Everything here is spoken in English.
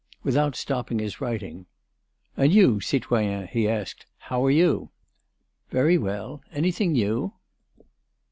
Without stopping his writing: "And you, citoyen," he asked, "how are you?" "Very well. Anything new?"